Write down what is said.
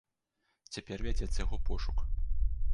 Цяпер вядзецца яго пошук.